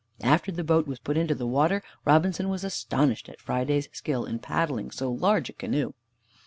After the boat was put into the water, Robinson was astonished at Friday's skill in paddling so large a canoe.